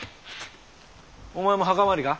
お前も墓参りか？